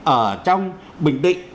ở trong bình định